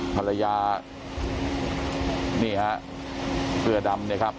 ภรรยานี่ฮะเสื้อดำเนี่ยครับ